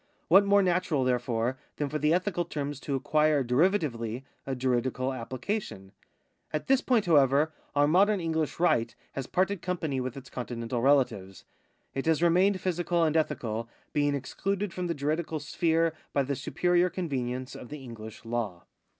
What more natural, therefore, than for the ethical terms to acquire derivatively a juridical application ? At this point, however, our modern EngUsh right has parted company with its Continental relatives. It has remained physical and ethical, being excluded from the juridical sphere by the superior convenience of the EngUsh Imv.